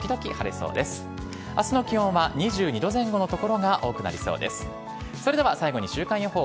それでは最後に週間予報。